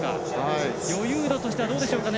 余裕度としてはどうでしょうかね。